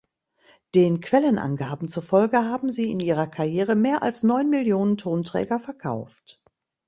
Den Quellenangaben zufolge haben sie in ihrer Karriere mehr als neun Millionen Tonträger verkauft.